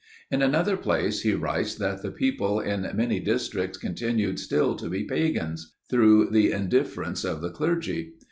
In another place he writes, that the people in many districts continued still to be pagans, through the indifference of the clergy.